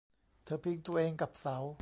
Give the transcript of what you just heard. เธอพิงตัวเองกับเสา